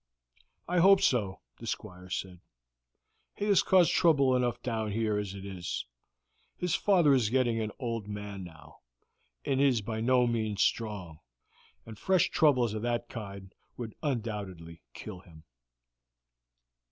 "I hope so," the Squire said. "He has caused trouble enough down here as it is; his father is getting an old man now, and is by no means strong, and fresh troubles of that kind would undoubtedly kill him."